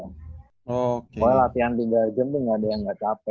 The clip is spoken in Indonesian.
pokoknya latihan tiga jam tuh gak ada yang nggak capek